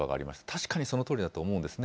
確かにそのとおりだと思うんですね。